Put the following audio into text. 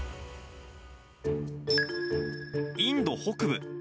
インド北部。